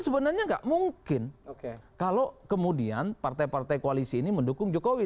sebenarnya nggak mungkin kalau kemudian partai partai koalisi ini mendukung jokowi